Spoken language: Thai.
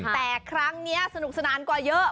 แต่ครั้งนี้สนุกสนานกว่าเยอะ